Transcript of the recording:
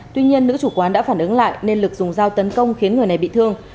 tuy nhiên nữ chủ quán đã phản ứng lại nên lực dùng dao tấn công khiến người này bị thương